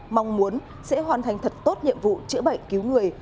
mong muốn sẽ hoàn thành thật tốt nhiệm vụ chữa bệnh cứu người